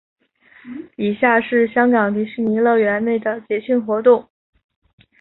以下是香港迪士尼乐园内的节庆活动。